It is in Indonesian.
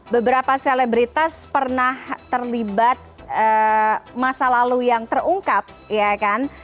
beberapa selebritas pernah terlibat masa lalu yang terungkap ya kan